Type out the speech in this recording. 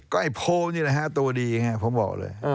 ก็ไอ้โพลนี่แหละฮะตัวดีไงผมบอกเลย